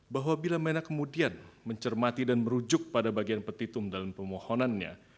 bahwa bila mena kemudian mencermati dan merujuk pada bagian petitum dalam pemohonannya